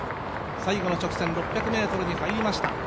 最後の直線６００ｍに入りました。